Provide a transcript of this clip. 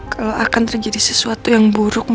kalo akan terjadi sesuatu yang bukan apa apa